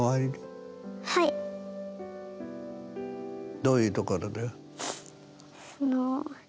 どういうところで？